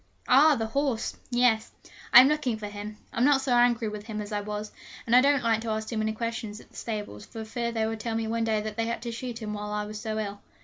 'Ah! the horse yes. I am looking for him. I'm not so angry with him as I was, and I don't like to ask too many questions at the stables, for fear they may tell me one day that they had to shoot him while I was so ill.